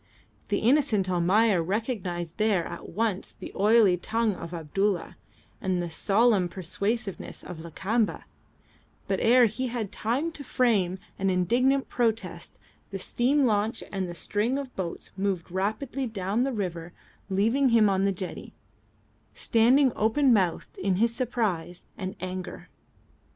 The innocent Almayer recognised there at once the oily tongue of Abdulla and the solemn persuasiveness of Lakamba, but ere he had time to frame an indignant protest the steam launch and the string of boats moved rapidly down the river leaving him on the jetty, standing open mouthed in his surprise and anger.